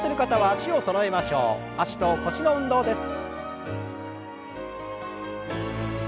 脚と腰の運動です。